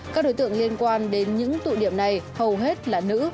các đối tượng liên quan đến những tụ điểm này hầu hết là nữ